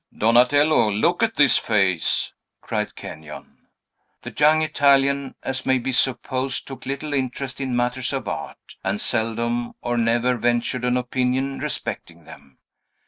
"Donatello, look at this face!" cried Kenyon. The young Italian, as may be supposed, took little interest in matters of art, and seldom or never ventured an opinion respecting them.